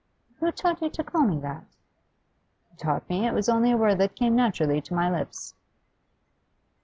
'Who taught you to call me that?' 'Taught me? It was only a word that came naturally to my lips.